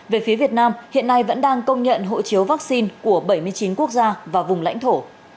về phía việt nam hiện nay vẫn đang công nhận hộ chiếu vaccine của bảy mươi chín quốc gia và vùng lãnh thổ